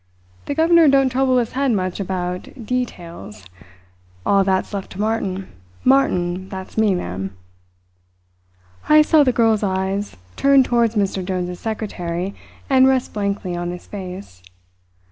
The governor don't trouble his head much about dee tails. All that's left to Martin. Martin, that's me, ma'am." Heyst saw the girl's eyes turn towards Mr. Jones's secretary and rest blankly on his face.